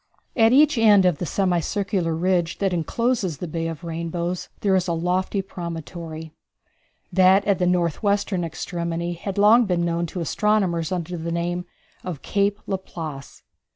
At each end of the semi circular ridge that encloses the Bay of Rainbows there is a lofty promontory. That at the north western extremity had long been known to astronomers under the name of Cape Laplace.